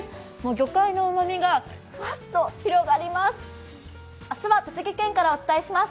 魚介のうまみがふわっと広がります。